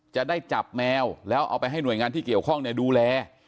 จะได้จับแมวแล้วเอาไปให้หน่วยงานที่เกี่ยวข้องดูแล